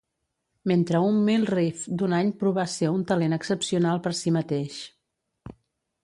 Mentre un Mill Reef d'un any provà ser un talent excepcional per si mateix.